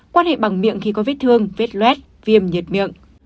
quan hệ bằng miệng khi có viết thương viết luet viêm nhiệt miệng